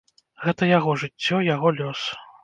Гэта яго жыццё, яго лёс.